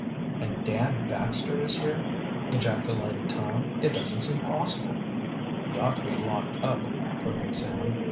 "And Dan Baxter is here!" ejaculated Tom. "It doesn't seem possible." "He ought to be locked up," put in Sam.